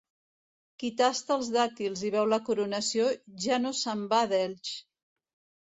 Qui tasta els dàtils i veu la coronació ja no se'n va d'Elx.